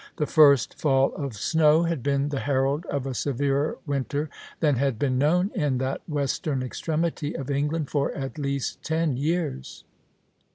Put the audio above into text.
The first fall of snow had been the herald of a severer winter than had been known in that western extremity of England for at least ten years.